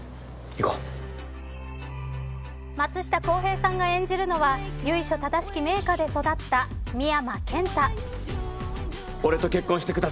松下洸平さんが演じるのは由緒正しき名家で育った深山健太。